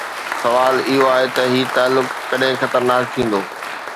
سوال اهو آهي ته هي تعلق ڪڏهن خطرناڪ ٿيندو؟